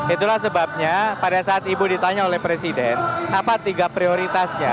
itulah sebabnya pada saat ibu ditanya oleh presiden apa tiga prioritasnya